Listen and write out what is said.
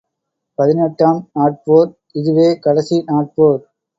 பதினெட்டாம் நாட் போர் இதுவே கடைசி நாட்போர்.